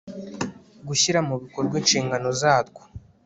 gushyira mu bikorwa inshingano zarwo